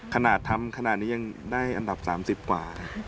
ขนาดทำขนาดนี้ยังได้อันดับ๓๐กว่า